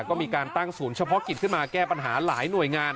ก็มีการตั้งศูนย์เฉพาะกิจขึ้นมาแก้ปัญหาหลายหน่วยงาน